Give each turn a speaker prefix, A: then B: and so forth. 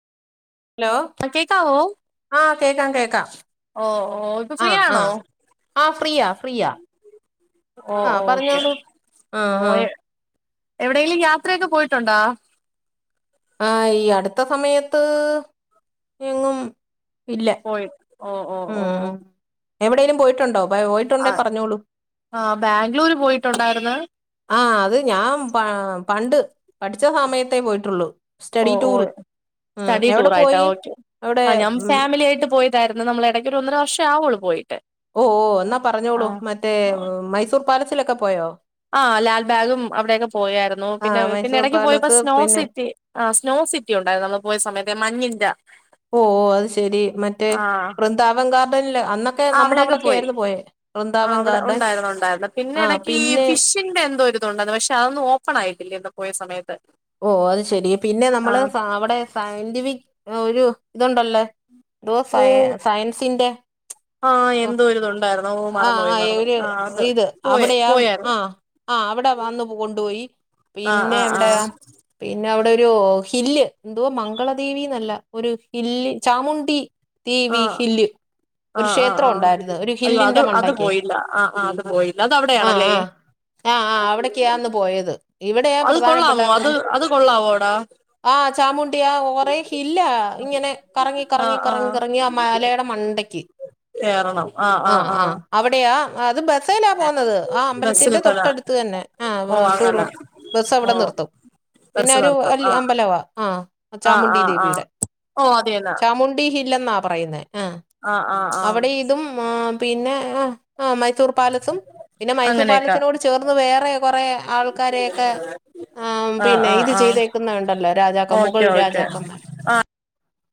A: Law.
B: അഹ് കേക്കാവോ?
A: ആഹ് കേക്കാം കേക
B: ഓ ഓ ഇപ്പൊ ഫ്രീ
A: ആഹ്
B: ആണോ
A: ആഹ് ആഹ് ഫ്രീയാ ഫ്രീയാ.
B: ഓ
A: ആഹ്
B: ഓ ഓക്കെ
A: പറഞ്ഞോളൂ ആഹ് ആഹ്.
B: എവിടെങ്കിലും യാത്രയൊക്കെ പോയിട്ടുണ്ടോ?
A: ആഹ് ഈ അടുത്ത സമയത്ത് എങ്ങും ഇല്ല.
B: പോയി. ഓ ഓ
A: ഉം
B: ഓ
A: ഉം എവിടെലും പോയിട്ടുണ്ടോ [unintelligible]
B: ആഹ്
A: പറഞ്ഞോളൂ
B: ആഹ് ബാംഗ്ലൂര് പോയിട്ടുണ്ടായിരുന്ന്.
A: ആഹ് അത് ഞാൻ പാ പണ്ട്. പഠിച്ച സമയത്തേ പോയിട്ടുള്ളു
B: ഓ
A: സ്റ്റഡി
B: ഓ
A: ടൂറ്.
B: സ്റ്റഡി
A: എവിടെ
B: ടൂറായിട്ടാ
A: പോയി
B: ഓക്കെ
A: അവിടെ
B: ആ ഞാൻ
A: ഉം,
B: ഫാമിലി ആയിട്ട് പോയി തായിരുന്നു നമ്മള് ഇടയ്ക്ക് ഒരു ഒന്നര വർഷ ആവുള്ളൂ പോയിട്ട്.
A: ഓഹ് ഓഹ് എന്നാ
B: ആ
A: പറഞ്ഞോളൂ മറ്റേ മൈസൂർ പാലസിലൊക്കെ പോയോ?
B: ആഹ് ലാൽബാഗും അവിടൊക്കെ പോയായിരുന്നു
A: ആ
B: പിന്നെ പിന്നെ
A: മൈസൂർ
B: ഇടക്ക് പോയിപ്പോ
A: പാലസ്
B: സ്നോ
A: പിന്നെ
B: സിറ്റി ആഹ് സ്നോ സിറ്റി ഉണ്ടായിരുന്നു നമ്മൾ പോയ സമയത്ത് മഞ്ഞിന്റെ.
A: ഓഹ് ഓഹ് അത് ശെരി മറ്റേ
B: ആ
A: വൃന്ദാവൻകർ ന്തൽല് അന്നൊക്കെ
B: ആ
A: നമ്മള്
B: അവിടെയൊക്കെ
A: അവിടൊക്കെ
B: പോയി
A: ആയിരുന്നു പോയെ
B: ആഹ്
A: വൃന്ദാവൻ
B: അവിടെ
A: ഗാർഡൻ ആ പിന്നെ
B: കിൻവേ എന്തോരിതുണ്ടെന്ന് പക്ഷെ അതൊന്നും ഓപ്പണായിട്ടില്ല ഇന്ന് പോയ സമയത്ത്.
A: ഓഹ് അത് ശെരി പിന്നെ നമ്മള്
B: ആഹ്
A: അവിടെ സയന്റിഫിക് ഒരു ഇതുണ്ടല്ലേ. തോ
B: ഓ
A: ഫയേ സയൻസിന്റെ.
B: ആഹ്
A: ഓഹ്
B: എന്തോ ഒരിതുണ്ടായിരുന്നു ഓ
A: ആഹ്
B: മറന്നുപോയി
A: ആഹ്
B: മറന്നു
A: ഒരു
B: അത്
A: ഇത്
B: പോയി
A: അവിടെയാ
B: പോയായിരുന്നു
A: ആഹ്. ആഹ് അവിടെ വന്നു കൊണ്ടുപോയി
B: ആഹ്
A: പിന്നെ
B: ആഹ്
A: എവടെയ.
B: ആഹ്
A: പിന്നെ അവിടൊരു ഹില്ല് എന്തുവാ മംഗളദേവിന്നല്ല ഒരു hill Chamundi. T V hill.
B: ആഹ്
A: ഒരു
B: ആഹ് ആഹ്
A: ക്ഷേത്രം
B: ആഹ്
A: ഉണ്ടായിരുന്നു ഒരു
B: അയ്യോ അത്
A: ഹില്ലിന്റെ
B: അത്
A: മണ്ടയ്ക്ക്
B: പോയില്ല ആഹ് ആഹ് അത് പോയില്ല അത്
A: ആഹ്
B: അവിടെയാണല്ലേ
A: ആഹ് ആഹ് ആഹ് അവിടക്കെയാന്ന് പോയത്. ഇവിടെയാ
B: അത് കൊള്ളാമോ അത് അത് കൊള്ളാവോടാ.
A: ആഹ് ചാമുണ്ടിയ ഒറെ ഹില്ല ഇങ്ങനെ കറങ്ങി
B: ആഹ്
A: കറങ്ങി
B: ആഹ്
A: കറങ്ങി കറങ്ങി ആ മലേടെ മണ്ടയ്ക്ക്.
B: കേറണം ആഹ്
A: ആ
B: ആഹ്
A: ആ
B: ആഹ്
A: അവിടെയാ അത് ബസ്സെ ലാ പോവ്ന്നത് ആ
B: ബസ്സിൽ
A: അമ്പലത്തിന്റെ
B: തന്നെ
A: തൊട്ടടുത്ത് തന്നെ ആ
B: ഓ
A: വാ
B: അങ്ങനെ
A: ടൂറും ബസ്സ്
B: ഓ
A: അവടെ നിർത്തും പിന്നെ
B: ബസ്
A: ഒരു
B: നിർത്തും
A: വല്യ
B: ആഹ്
A: അമ്പലവ ആഹ്
B: ആഹ്
A: ചാമുണ്ടി
B: ആഹ് ആഹ്
A: ദേവിയുടെ
B: ഓ അത് തന്നെ
A: ചാമു ണ്ടി ഹില്ലന്നാ പറയുന്നേ ആഹ്
B: ആഹ് ആഹ് ആഹ്
A: അവിടെ ഇതും ആ പിന്നെ ആഹ് ആഹ് മൈസൂർ പാലസും പിന്നെ മൈസൂർ
B: അങ്ങനെയൊക്കെ
A: പാലസിനോട് ചേർന്ന് വേറെ കുറെ ആൾക്കാരെയൊക്കെ
B: [inaudible]
A: ആ
B: ആഹ്
A: പിന്നെ ഇത് ചെയ്തേക്കുന്നണ്ടല്ലോ രാജാക്ക
B: ഓക്കെ
A: മുഗൾ
B: ഓക്കെ
A: രാജാക്കന്മാർ